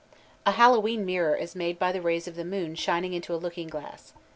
A Hallowe'en mirror is made by the rays of the moon shining into a looking glass.